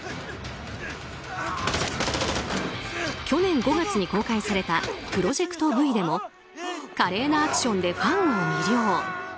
去年５月に公開された「プロジェクトＶ」でも華麗なアクションでファンを魅了。